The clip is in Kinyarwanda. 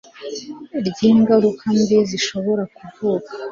ry'ingaruka mbi zishobora kuvuka